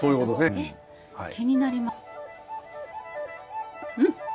えっ気になります。